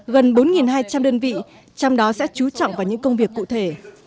gần bốn hai trăm linh đơn vị trong đó sẽ chú trọng vào những công việc cụ thể